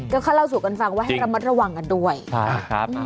ก็เขาเล่าสู่กันฟังว่าให้ระมัดระวังกันด้วยนะครับ